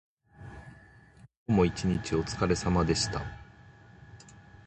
今日も一日おつかれさまでした。